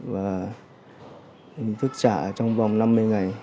và mình thức trả trong vòng năm mươi ngày